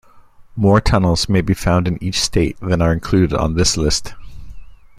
More tunnels may be found in each state than are included on this list.